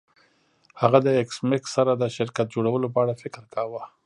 هغه د ایس میکس سره د شرکت جوړولو په اړه فکر کاوه